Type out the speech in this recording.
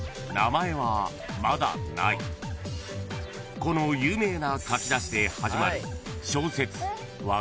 ［この有名な書き出しで始まる小説］